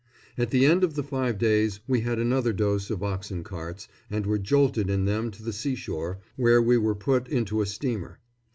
At the end of the five days we had another dose of oxen carts, and were jolted in them to the seashore, where we were put into a steamer.